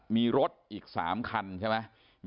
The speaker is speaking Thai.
มีรถอีก๓คันใช่ไหม